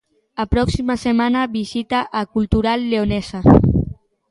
A próxima semana visita a Cultural Leonesa.